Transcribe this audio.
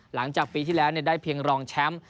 หลังจากปีที่แล้วได้เพียงรองแชมป์